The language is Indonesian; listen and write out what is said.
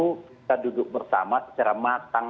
kita duduk bersama secara matang